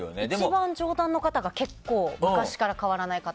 一番上段の方が昔から変わらない方。